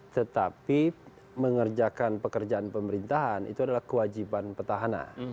tetapi mengerjakan pekerjaan pemerintahan itu adalah kewajiban petahana